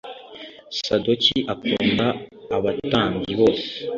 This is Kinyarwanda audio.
sadoki akunda abatambyi bose.